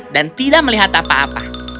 dan tidak melihat apa apa